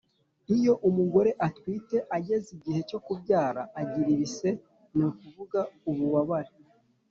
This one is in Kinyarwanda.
Iyo umugore utwite ageze igihe cyo kubyara agira ibise ni ukuvuga ububabare